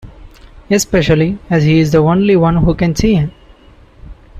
Especially as he's the only one who can see him.